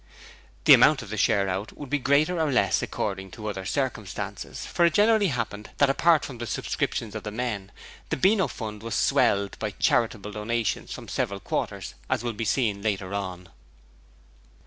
The amount of the share out would be greater or less according to other circumstances, for it generally happened that apart from the subscriptions of the men, the Beano fund was swelled by charitable donations from several quarters, as will be seen later on.